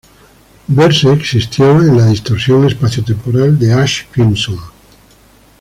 Verse existió en la distorsión espaciotemporal de Ash Crimson.